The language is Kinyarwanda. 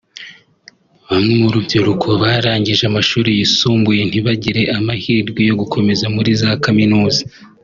Bamwe mu rubyiruko barangije amashuri yisumbuye ntibagire amahirwe yo gukomeza muri za kaminuza